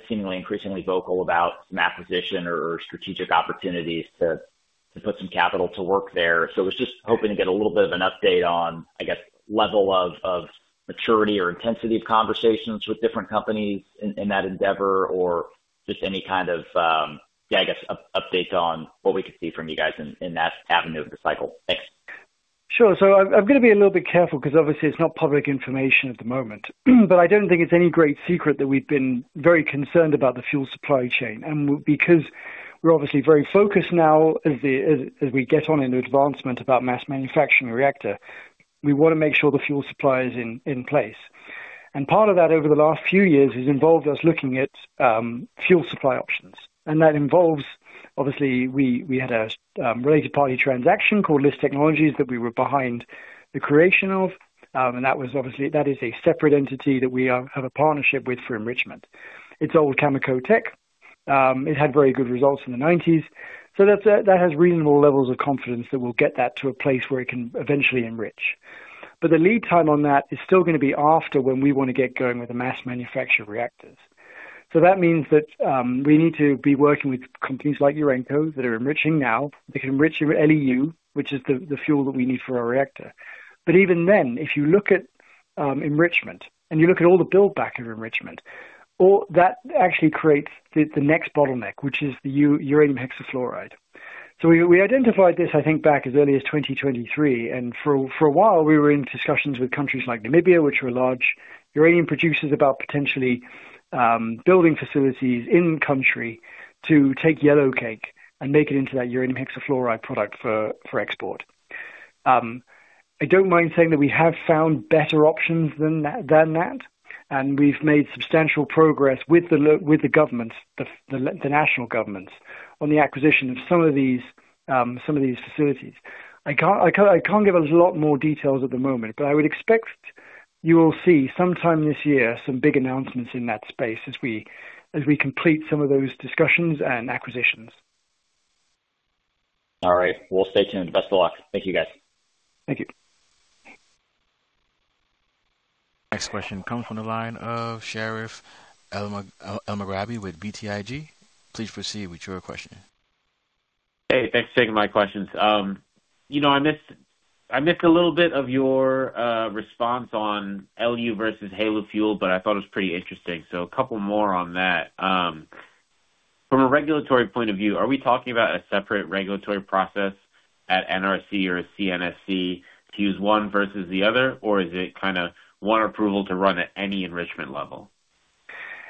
seemingly increasingly vocal about acquisition or strategic opportunities to put some capital to work there. So I was just hoping to get a little bit of an update on, I guess, level of maturity or intensity of conversations with different companies in that endeavor, or just any kind of, yeah, I guess updates on what we could see from you guys in that avenue of the cycle. Thanks. Sure. So I'm gonna be a little bit careful, because obviously it's not public information at the moment. But I don't think it's any great secret that we've been very concerned about the fuel supply chain. And because we're obviously very focused now as we get on in the advancement about mass manufacturing reactor, we want to make sure the fuel supply is in place. And part of that, over the last few years, has involved us looking at fuel supply options. And that involves, obviously, we had a related party transaction called LIS Technologies that we were behind the creation of. And that was obviously that is a separate entity that we have a partnership with for enrichment. It's old Cameco. It had very good results in the nineties, so that's, that has reasonable levels of confidence that we'll get that to a place where it can eventually enrich. But the lead time on that is still gonna be after when we want to get going with the mass manufacture reactors. So that means that, we need to be working with companies like Urenco, that are enriching now. They can enrich your LEU, which is the, the fuel that we need for our reactor. But even then, if you look at, enrichment and you look at all the build back of enrichment, all that actually creates the, the next bottleneck, which is the uranium hexafluoride. So we identified this, I think, back as early as 2023, and for a while, we were in discussions with countries like Namibia, which were large uranium producers, about potentially building facilities in country to take yellowcake and make it into that uranium hexafluoride product for export. I don't mind saying that we have found better options than that, and we've made substantial progress with the local governments, the national governments, on the acquisition of some of these facilities. I can't give a lot more details at the moment, but I would expect you will see sometime this year some big announcements in that space as we complete some of those discussions and acquisitions. All right. We'll stay tuned. Best of luck. Thank you, guys. Thank you. Next question comes from the line of Sherif Elmaghraby with BTIG. Please proceed with your question. Hey, thanks for taking my questions. You know, I missed, I missed a little bit of your response on LEU versus HALEU fuel, but I thought it was pretty interesting, so a couple more on that. From a regulatory point of view, are we talking about a separate regulatory process at NRC or CNSC to use one versus the other, or is it kind of one approval to run at any enrichment level?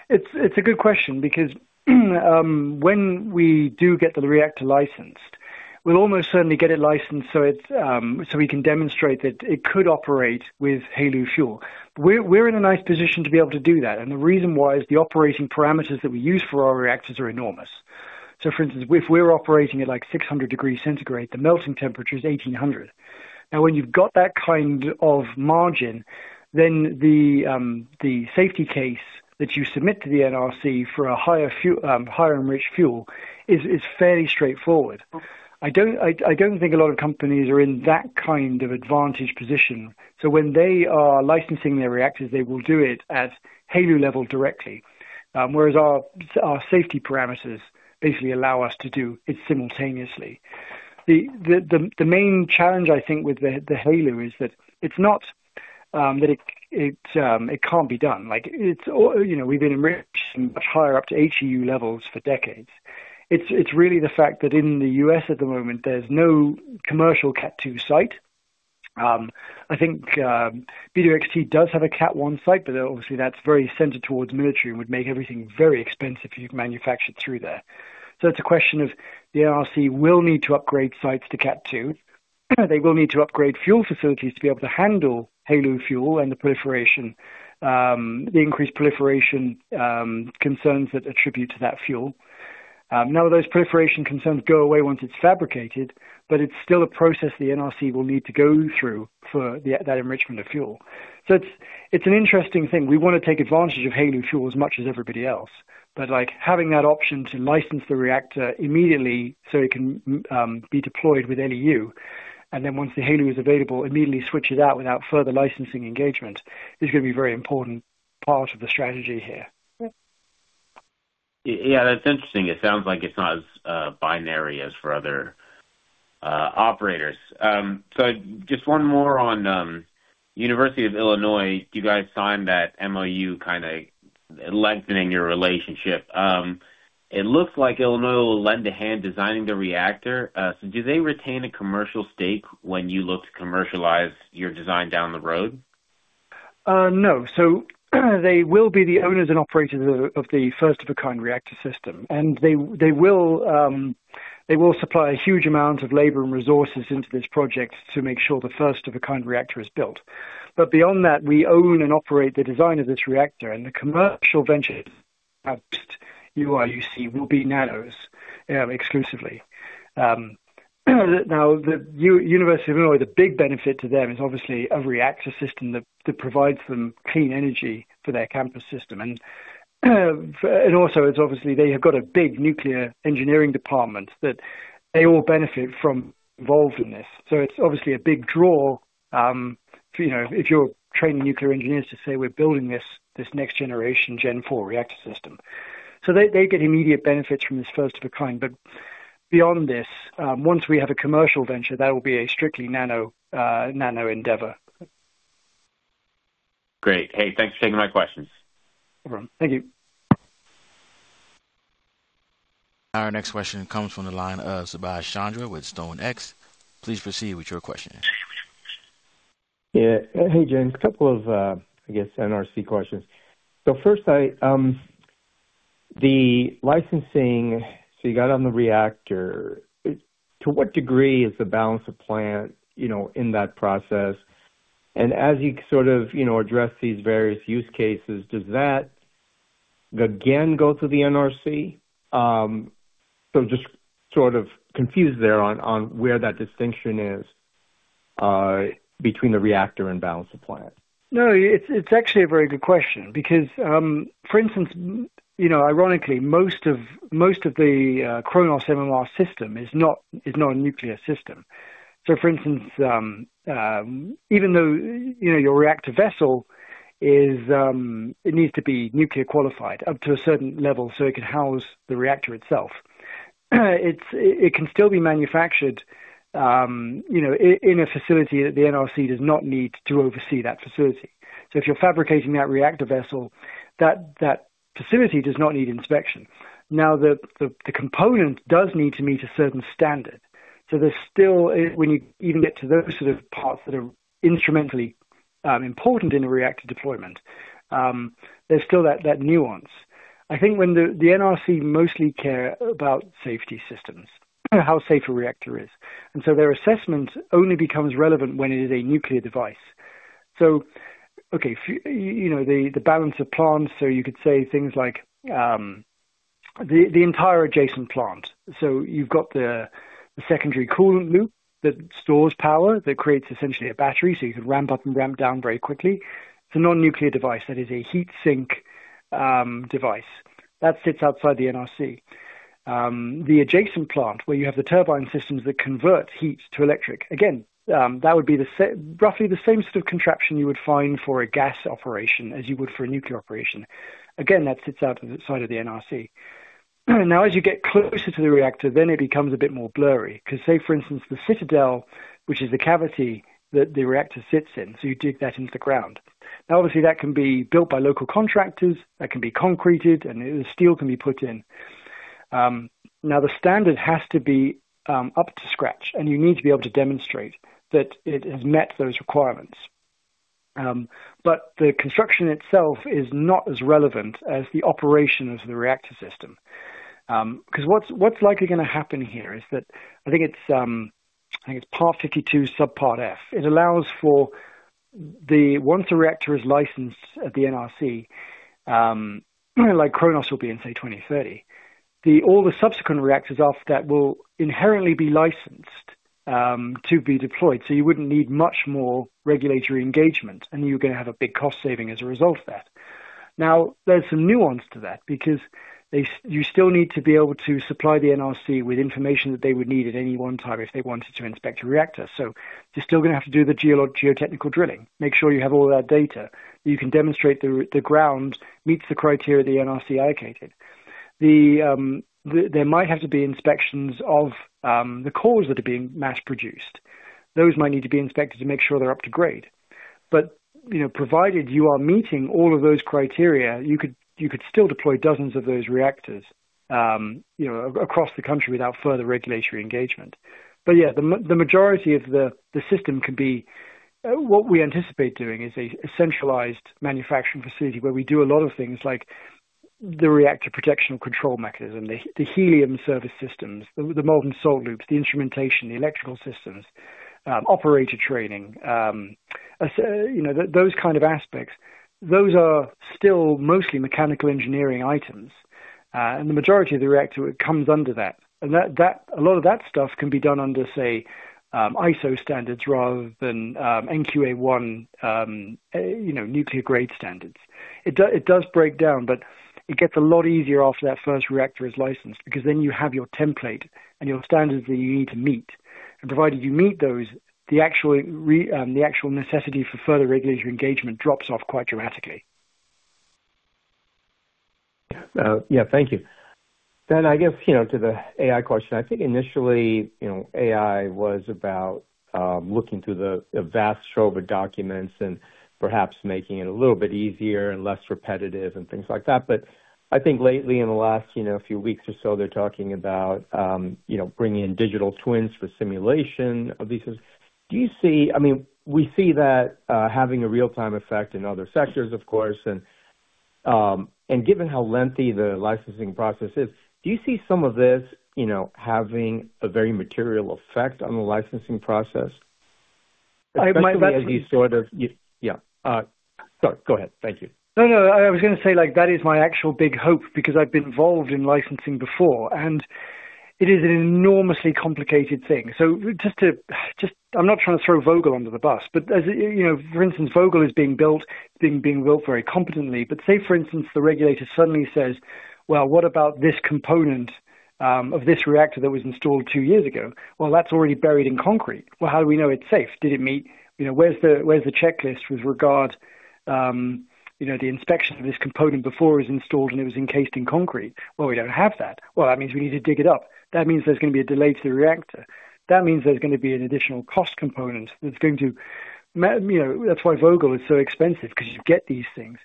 It's a good question, because when we do get the reactor licensed, we'll almost certainly get it licensed so we can demonstrate that it could operate with HALEU fuel. We're in a nice position to be able to do that, and the reason why is the operating parameters that we use for our reactors are enormous. So for instance, if we're operating at, like, 600 degrees centigrade, the melting temperature is 1800. Now, when you've got that kind of margin, then the safety case that you submit to the NRC for a higher higher enriched fuel is fairly straightforward. I don't think a lot of companies are in that kind of advantage position, so when they are licensing their reactors, they will do it at HALEU level directly. Whereas our safety parameters basically allow us to do it simultaneously. The main challenge I think with the HALEU is that it's not that it can't be done. Like, it's all, you know, we've been enriching much higher up to HALEU levels for decades. It's really the fact that in the U.S. at the moment, there's no commercial Cat Two site. I think BWXT does have a Cat One site, but obviously that's very centered towards military and would make everything very expensive if you manufactured through there. So it's a question of the NRC will need to upgrade sites to Cat Two. They will need to upgrade fuel facilities to be able to handle HALEU fuel and the proliferation, the increased proliferation concerns that attribute to that fuel. Now those proliferation concerns go away once it's fabricated, but it's still a process the NRC will need to go through for that enrichment of fuel. So it's an interesting thing. We want to take advantage of HALEU fuel as much as everybody else, but, like, having that option to license the reactor immediately so it can be deployed with LEU, and then once the HALEU is available, immediately switch it out without further licensing engagement, is gonna be a very important part of the strategy here. Yeah, that's interesting. It sounds like it's not as binary as for other operators. So just one more on University of Illinois. You guys signed that MOU kinda lengthening your relationship. It looks like Illinois will lend a hand designing the reactor. So do they retain a commercial stake when you look to commercialize your design down the road? No. So, they will be the owners and operators of the first-of-a-kind reactor system, and they will supply a huge amount of labor and resources into this project to make sure the first-of-a-kind reactor is built. But beyond that, we own and operate the design of this reactor, and the commercial ventures, UIUC, will be Nano's exclusively. Now, the University of Illinois, the big benefit to them is obviously a reactor system that provides them clean energy for their campus system. And also it's obviously they have got a big nuclear engineering department that they all benefit from involved in this. So it's obviously a big draw, you know, if you're training nuclear engineers to say, "We're building this, this next generation Gen four reactor system." So they, they get immediate benefits from this first-of-a-kind, but beyond this, once we have a commercial venture, that will be a strictly Nano, Nano endeavor. Great. Hey, thanks for taking my questions. No problem. Thank you. Our next question comes from the line of Subash Chandra with StoneX. Please proceed with your question. Yeah. Hey, James. A couple of, I guess, NRC questions. So first, I, the licensing, so you got on the reactor. To what degree is the balance of plant, you know, in that process? And as you sort of, you know, address these various use cases, does that again go to the NRC? So just sort of confused there on where that distinction is between the reactor and balance of plant. No, it's actually a very good question because, for instance, you know, ironically, most of the KRONOS MMR system is not a nuclear system. So for instance, even though, you know, your reactor vessel is, it needs to be nuclear qualified up to a certain level, so it can house the reactor itself, it can still be manufactured, you know, in a facility that the NRC does not need to oversee that facility. So if you're fabricating that reactor vessel, that facility does not need inspection. Now, the component does need to meet a certain standard, so there's still when you even get to those sort of parts that are instrumentally important in a reactor deployment, there's still that nuance. I think when the NRC mostly care about safety systems, how safe a reactor is, and so their assessment only becomes relevant when it is a nuclear device. So okay, you know, the balance of plant, so you could say things like, the entire adjacent plant. So you've got the secondary coolant loop that stores power, that creates essentially a battery, so you can ramp up and ramp down very quickly. It's a non-nuclear device. That is a heat sink device. That sits outside the NRC. The adjacent plant, where you have the turbine systems that convert heat to electric, again, that would be roughly the same sort of contraption you would find for a gas operation as you would for a nuclear operation. Again, that sits out of the side of the NRC. Now, as you get closer to the reactor, then it becomes a bit more blurry. 'Cause say, for instance, the citadel, which is the cavity that the reactor sits in, so you dig that into the ground. Now, obviously, that can be built by local contractors, that can be concreted, and the steel can be put in. Now, the standard has to be up to scratch, and you need to be able to demonstrate that it has met those requirements. But the construction itself is not as relevant as the operation of the reactor system. 'Cause what's likely gonna happen here is that I think it's Part 52, Subpart F. It allows for the once the reactor is licensed at the NRC, like KRONOS will be in, say, 2030, all the subsequent reactors after that will inherently be licensed to be deployed, so you wouldn't need much more regulatory engagement, and you're gonna have a big cost saving as a result of that. Now, there's some nuance to that because they, you still need to be able to supply the NRC with information that they would need at any one time if they wanted to inspect a reactor. So you're still gonna have to do the geotechnical drilling, make sure you have all of that data. You can demonstrate the ground meets the criteria the NRC allocated. There might have to be inspections of the cores that are being mass-produced. Those might need to be inspected to make sure they're up to grade. But, you know, provided you are meeting all of those criteria, you could, you could still deploy dozens of those reactors, you know, across the country without further regulatory engagement. But, yeah, the majority of the system can be, what we anticipate doing is a centralized manufacturing facility where we do a lot of things like the reactor protection control mechanism, the helium service systems, the molten salt loops, the instrumentation, the electrical systems, operator training, so, you know, those kind of aspects. Those are still mostly mechanical engineering items, and the majority of the reactor comes under that. And that. A lot of that stuff can be done under, say, ISO standards rather than NQA-1, you know, nuclear grade standards. It does break down, but it gets a lot easier after that first reactor is licensed, because then you have your template and your standards that you need to meet. Provided you meet those, the actual necessity for further regulatory engagement drops off quite dramatically. Yeah, thank you. Then, I guess, you know, to the AI question, I think initially, you know, AI was about looking through the vast trove of documents and perhaps making it a little bit easier and less repetitive and things like that. But I think lately, in the last, you know, few weeks or so, they're talking about, you know, bringing in digital twins for simulation of these things. Do you see I mean, we see that having a real-time effect in other sectors, of course, and, and given how lengthy the licensing process is, do you see some of this, you know, having a very material effect on the licensing process? I, my, my- As you sort of, yeah. Sorry, go ahead. Thank you. No, I was gonna say, like, that is my actual big hope because I've been involved in licensing before, and it is an enormously complicated thing. So just I'm not trying to throw Vogtle under the bus, but as, you know, for instance, Vogtle is being built very competently. But say, for instance, the regulator suddenly says, "Well, what about this component of this reactor that was installed two years ago?" "Well, that's already buried in concrete." "Well, how do we know it's safe? where's the checklist with regard, you know, the inspection of this component before it was installed and it was encased in concrete?" "Well, we don't have that." "Well, that means we need to dig it up." That means there's gonna be a delay to the reactor. That means there's gonna be an additional cost component that's going to, you know, that's why Vogtle is so expensive, because you get these things.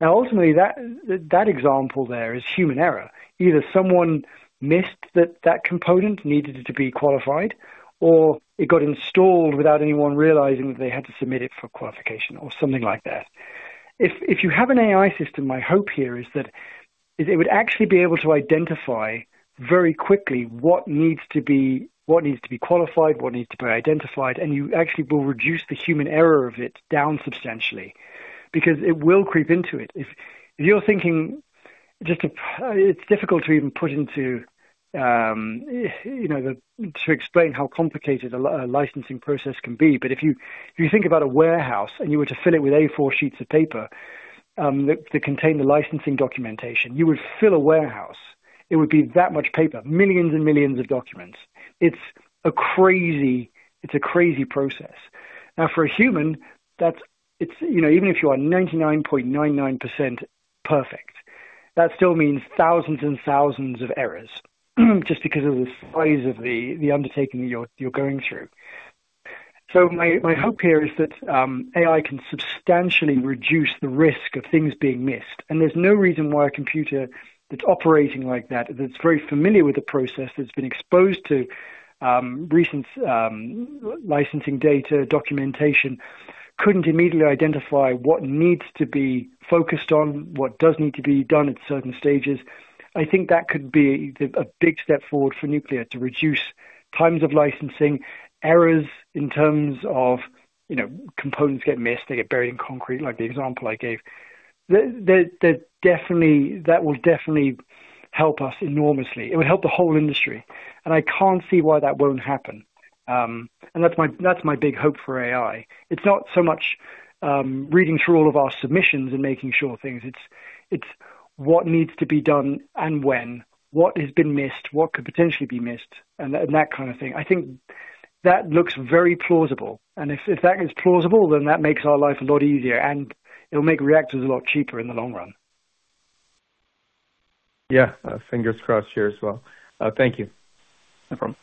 Now, ultimately, that example there is human error. Either someone missed that that component needed to be qualified, or it got installed without anyone realizing that they had to submit it for qualification or something like that. If you have an AI system, my hope here is that it would actually be able to identify very quickly what needs to be qualified, what needs to be identified, and you actually will reduce the human error of it down substantially because it will creep into it. If you're thinking, just to, it's difficult to even put into, you know, to explain how complicated a licensing process can be. But if you, if you think about a warehouse and you were to fill it with A4 sheets of paper, that contain the licensing documentation, you would fill a warehouse. It would be that much paper, millions and millions of documents. It's a crazy, it's a crazy process. Now, for a human, that's, it's, you know, even if you are 99.99% perfect, that still means thousands and thousands of errors, just because of the size of the, the undertaking you're, you're going through. So my hope here is that AI can substantially reduce the risk of things being missed, and there's no reason why a computer that's operating like that, that's very familiar with the process, that's been exposed to recent licensing data, documentation, couldn't immediately identify what needs to be focused on, what does need to be done at certain stages. I think that could be a big step forward for nuclear to reduce times of licensing, errors in terms of, you know, components get missed, they get buried in concrete, like the example I gave. Definitely, that will definitely help us enormously. It would help the whole industry, and I can't see why that won't happen. And that's my big hope for AI. It's not so much reading through all of our submissions and making sure of things, it's what needs to be done and when, what has been missed, what could potentially be missed, and that kind of thing. I think that looks very plausible, and if that is plausible, then that makes our life a lot easier, and it'll make reactors a lot cheaper in the long run. Yeah. Fingers crossed here as well. Thank you. No problem.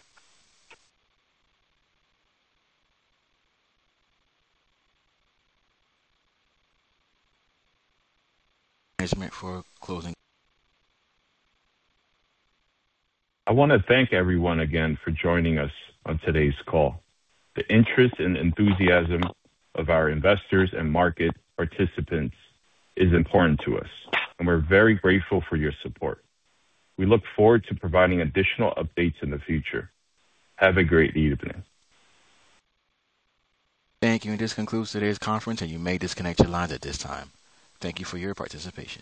Arrangement for closing. I wanna thank everyone again for joining us on today's call. The interest and enthusiasm of our investors and market participants is important to us, and we're very grateful for your support. We look forward to providing additional updates in the future. Have a great evening. Thank you. And this concludes today's conference, and you may disconnect your lines at this time. Thank you for your participation.